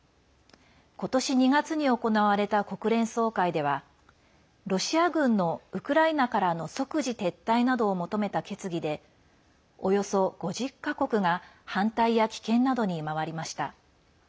今年２月に行われた国連総会ではロシア軍のウクライナからの即時撤退などを求めた決議でおよそ５０か国が反対や棄権などに回りました。